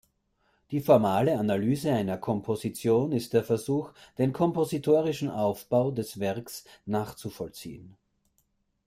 Die formale Analyse einer Komposition ist der Versuch, den kompositorischen Aufbau des Werks nachzuvollziehen.